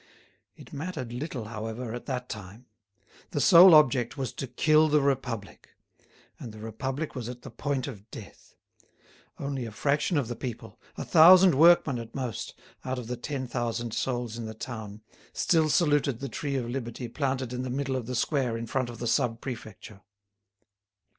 It mattered little, however, at that time. The sole object was to kill the Republic; and the Republic was at the point of death. Only a fraction of the people—a thousand workmen at most, out of the ten thousand souls in the town—still saluted the tree of liberty planted in the middle of the square in front of the Sub Prefecture.